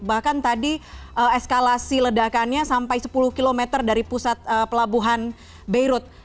bahkan tadi eskalasi ledakannya sampai sepuluh km dari pusat pelabuhan beirut